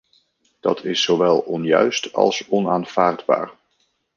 Dat is zowel onjuist als onaanvaardbaar!